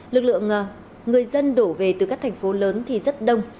lực lượng người dân đổ về từ các thành phố lớn thì rất đông